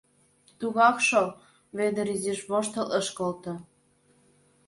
— Тугак шол, — Вӧдыр изиш воштыл ыш колто.